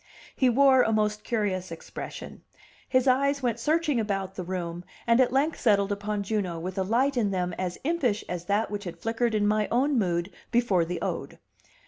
He wore a most curious expression; his eyes went searching about the room, and at length settled upon Juno with a light in them as impish as that which had flickered in my own mood before the ode.